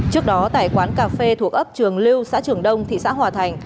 trước đó tại quán cà phê thuộc ấp trường lưu xã trường đông thị xã hòa thành